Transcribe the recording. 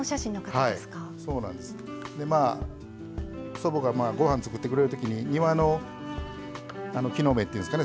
祖母がご飯作ってくれるときに庭の木の芽っていうんですかね